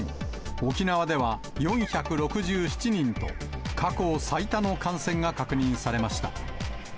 沖縄では４６７人と、過去最多の感染が確認されました。